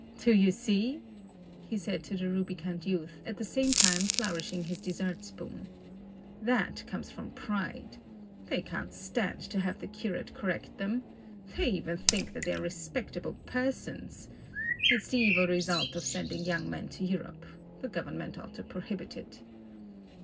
"Do you see?" he said to the rubicund youth, at the same time flourishing his dessert spoon. "That comes from pride. They can't stand to have the curate correct them. They even think that they are respectable persons. It's the evil result of sending young men to Europe. The government ought to prohibit it."